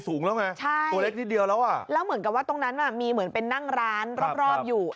สูงแล้วไงใช่ตัวเล็กนิดเดียวแล้วอ่ะแล้วเหมือนกับว่าตรงนั้นอ่ะมีเหมือนเป็นนั่งร้านรอบรอบอยู่